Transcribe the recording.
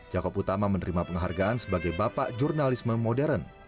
jakob utama menerima penghargaan sebagai bapak jurnalisme modern